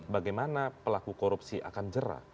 bagaimana pelaku korupsi akan jerah